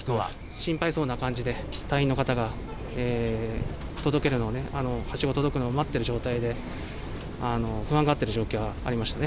心配そうな感じで、隊員の方が、届けるのをね、はしご届くのを待ってる状態で、不安がっている状況がありましたね。